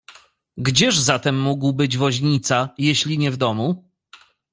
"Gdzież zatem mógł być woźnica, jeśli nie w domu?"